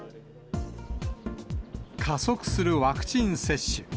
加速するワクチン接種。